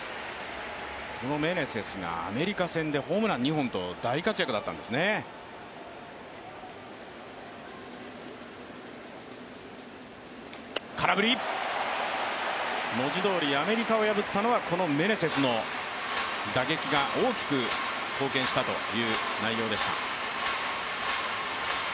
このメネセスがアメリカ戦でホームラン２本と大活躍だったんですね文字どおり、アメリカを破ったのはこのメネセスの打撃が大きく貢献したという内容でした。